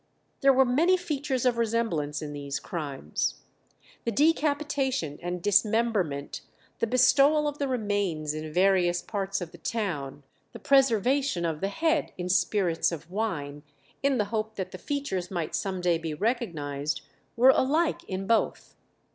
There were many features of resemblance in these crimes. The decapitation and dismemberment, the bestowal of the remains in various parts of the town, the preservation of the head in spirits of wine, in the hope that the features might some day be recognized, were alike in both.